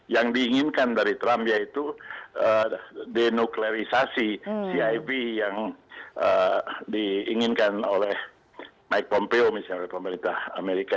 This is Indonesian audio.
yang diinginkan dari trump yaitu denuklerisasi cip yang diinginkan oleh mike pompeo misalnya oleh pemerintah amerika